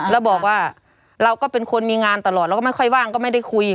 แล้วบอกว่าเราก็เป็นคนมีงานตลอดเราก็ไม่ค่อยว่างก็ไม่ได้คุย